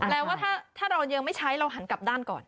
แล้วว่าถ้าเรายังไม่ใช้เราหันกลับด้านก่อน